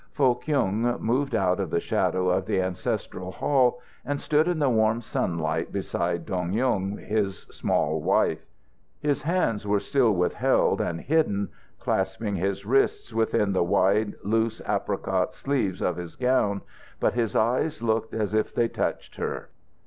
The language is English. Foh Kyung moved out of the shadow of the ancestral hall and stood in the warm sunlight beside Dong Yung, his small wife. His hands were still withheld and hidden, clasping his wrists within the wide, loose apricot sleeves of his gown, but his eyes looked as if they touched her.